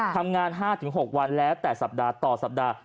ทำงาน๕๖วันแล้วแต่สัปดาห์ต่อสัปดาห์